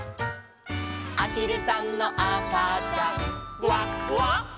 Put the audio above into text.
「あひるさんのあかちゃんグワグワ」